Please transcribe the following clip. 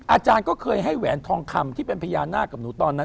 อาจารย์ก็เคยให้แหวนทองคำที่เป็นพญานาคกับหนูตอนนั้น